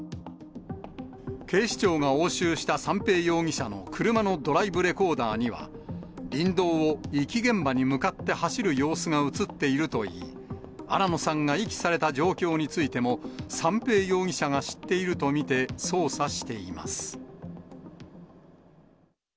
警視庁が押収した三瓶容疑者の車のドライブレコーダーには、林道を遺棄現場に向かって走る様子が写っているといい、新野さんが遺棄された状況についても、三瓶容疑者が知っていると見て、捜査しています。